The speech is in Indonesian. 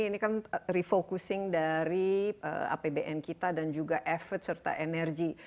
ini kan refocusing dari apbn kita dan juga effort serta energi